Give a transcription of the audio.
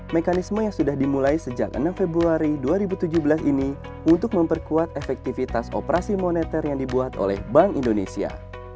mekanisme yang sudah dimulai sejak enam februari dua ribu tujuh belas ini untuk memperkuat efektivitas operasi moneter yang dibuat oleh bank indonesia